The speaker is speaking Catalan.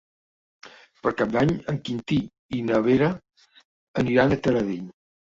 Per Cap d'Any en Quintí i na Vera aniran a Taradell.